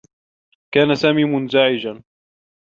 كان سامي منزعجا.